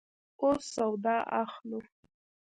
اوس سودا اخلو